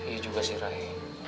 iya juga sih ray